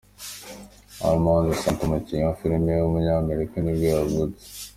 Armand Assante, umukinnyi wa film w’umunyamerika nibwo yavutse.